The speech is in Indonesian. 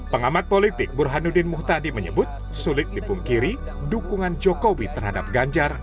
pengamat politik burhanuddin muhtadi menyebut sulit dipungkiri dukungan jokowi terhadap ganjar